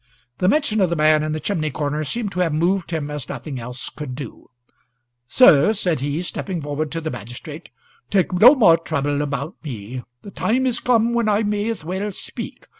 The mention of the man in the chimney corner seemed to have moved him as nothing else could do. "Sir," he said, stepping forward to the magistrate, "take no more trouble about me. The time is come when I may as well speak.